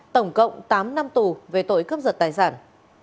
tổng cộng tám năm tù về tội cướp giật tài sản